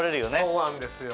そうなんですよ。